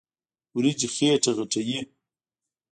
وريجې خيټه غټوي.